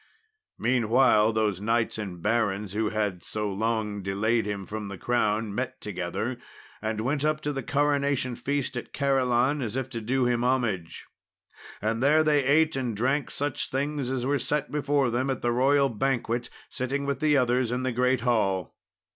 Meanwhile those knights and barons who had so long delayed him from the crown, met together and went up to the coronation feast at Caerleon, as if to do him homage; and there they ate and drank such things as were set before them at the royal banquet, sitting with the others in the great hall.